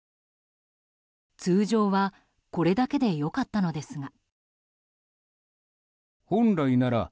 通常はこれだけでよかったのですが。